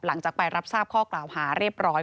หลังจากไปรับทราบข้อกล่าวหาเรียบร้อย